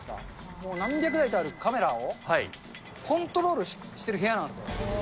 もう何百台とあるカメラをコントロールしてる部屋なんですよ。